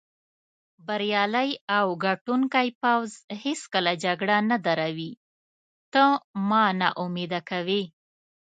بریالی او ګټوونکی پوځ هېڅکله جګړه نه دروي، ته ما نا امیده کوې.